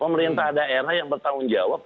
pemerintah daerah yang bertanggung jawab